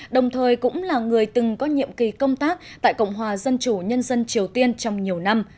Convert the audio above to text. đồng thời cũng là người từng có nhiệm kỳ công tác tại cộng hòa dân chủ nhân dân triều tiên trong nhiều năm